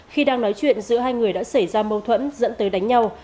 khi đang nói chuyện giữa hai người đã xảy ra mâu thuẫn dẫn tới đánh nhau